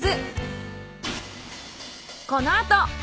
このあと。